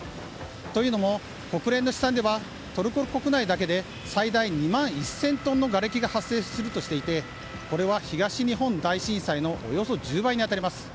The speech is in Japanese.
というのも国連の試算ではトルコ国内だけで最大２万１０００トンのがれきが発生するとしていてこれは東日本大震災のおよそ１０倍に当たります。